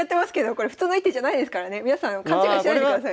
これ普通の一手じゃないですからね皆さん勘違いしないでくださいね。